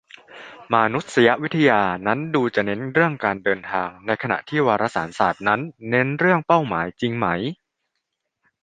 "มานุษยวิทยานั้นดูจะเน้นเรื่องการเดินทาง ในขณะที่วารสารศาสตร์นั้นเน้นเรื่องเป้าหมาย" จริงไหม ?